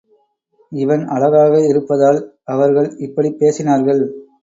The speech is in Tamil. இவன் அழகாக இருப்பதால் அவர்கள் இப்படிப் பேசினார்கள்.